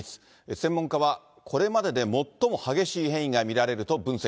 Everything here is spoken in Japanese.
専門家は、これまでで最も激しい変異が見られると分析。